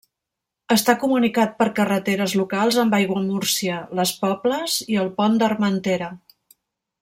Està comunicat per carreteres locals amb Aiguamúrcia, les Pobles i el Pont d'Armentera.